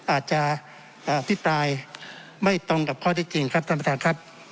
อาจจะอภิปรายไม่ตรงกับข้อที่จริงครับท่านประธานครับ